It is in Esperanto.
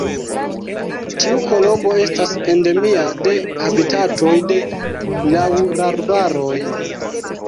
Tiu kolombo estas endemia de habitatoj de laŭrarbaroj.